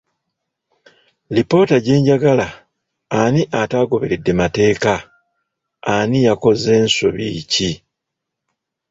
Lipoota gye njagala ani atagoberedde mateeka, ani yakoze nsobi ki?